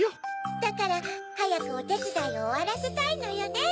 だからはやくおてつだいをおわらせたいのよね。